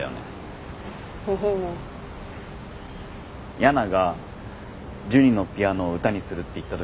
ヤナがジュニのピアノを歌にするって言った時。